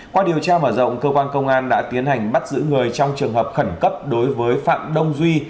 sau mở rộng cơ quan công an đã tiến hành bắt giữ người trong trường hợp khẩn cấp đối với phạm đông duy